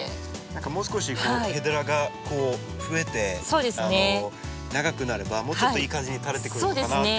何かもう少しヘデラがふえて長くなればもうちょっといい感じに垂れてくれるのかなっていう。